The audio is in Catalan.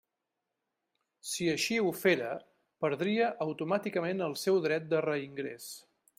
Si així ho fera, perdria automàticament el seu dret de reingrés.